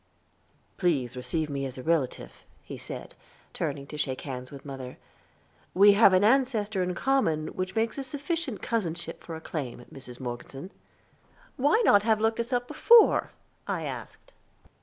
"Please receive me as a relative," he said, turning to shake hands with mother. "We have an ancestor in common that makes a sufficient cousinship for a claim, Mrs. Morgeson." "Why not have looked us up before?" I asked.